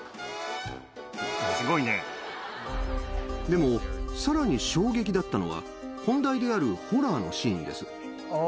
でもさらに衝撃だったのは本題であるホラーのシーンです。